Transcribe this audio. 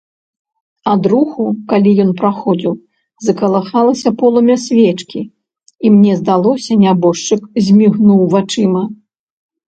Ад руху, калі ён праходзіў, закалыхалася полымя свечкі, і мне здалося, нябожчык змігнуў вачыма.